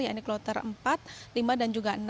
yaitu kloter empat lima dan juga enam